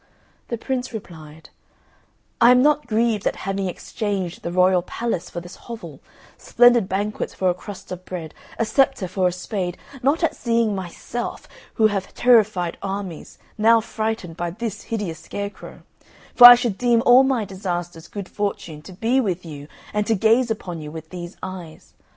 The Prince replied: "I am not grieved at having exchanged the royal palace for this hovel; splendid banquets for a crust of bread; a sceptre for a spade; not at seeing myself, who have terrified armies, now frightened by this hideous scarecrow; for I should deem all my disasters good fortune to be with you and to gaze upon you with these eyes.